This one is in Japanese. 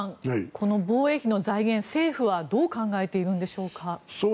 この防衛費の財源政府はどう考えているのでしょうか。